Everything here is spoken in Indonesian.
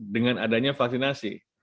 dengan adanya vaksinasi